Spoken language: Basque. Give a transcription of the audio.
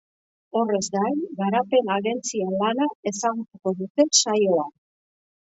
Horrez gain, garapen agentzien lana ezagutuko dute saioan.